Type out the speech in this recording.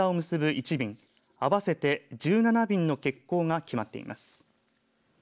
１便合わせて１７便の欠航が決まっています。